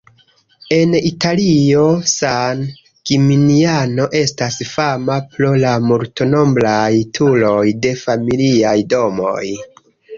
En Italio, San Ĝiminiano estas fama pro la multnombraj turoj de familiaj domoj.